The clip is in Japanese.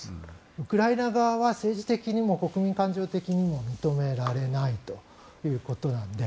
ウクライナ側は政治的にも国民感情的にも認められないということなので。